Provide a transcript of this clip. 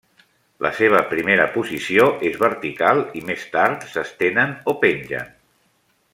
La seva primera posició és vertical i més tard s'estenen o pengen.